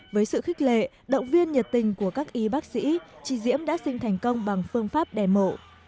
với sự khích lệ động viên nhiệt tình của các y bác sĩ chị diễm đã sinh thành công bằng phương pháp đẻ mổ